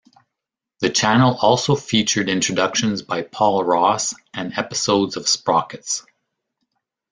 The channel also featured introductions by Paul Ross and episodes of Sprockets.